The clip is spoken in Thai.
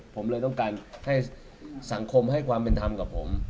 ผมเลยต้องการให้สังคมให้ความเป็นธรรมกับผม